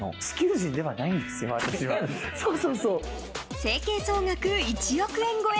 整形総額１億円超え！